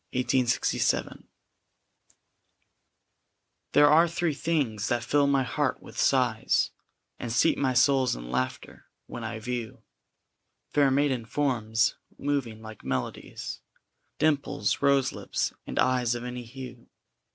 ] There are three things that fill my heart with sighs And steep my soul in laughter (when I view Fair maiden forms moving like melodies), Dimples, roselips, and eyes of any hue.